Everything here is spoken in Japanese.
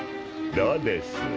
どうです？